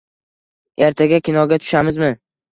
Ertaga kinoga tushamizmi?